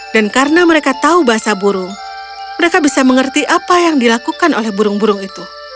dan karena mereka tahu bahasa burung mereka bisa mengerti apa yang dilakukan oleh burung burung itu